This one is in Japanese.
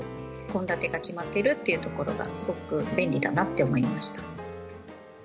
献立が決まっているというところがすごく便利だなと思いました。